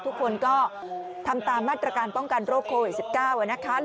ทุกคนก็ทำตามมาตรการป้องกันโรคโควิด๑๙นะคะ